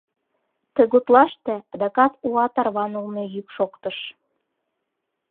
Ты гутлаште адакат уа тарванылме йӱк шоктыш.